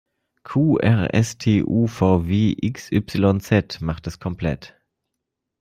Q-R-S-T-U-V-W-X-Y-Z macht es komplett!